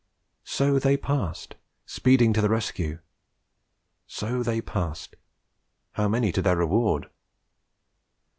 So they passed, speeding to the rescue; so they passed, how many to their reward!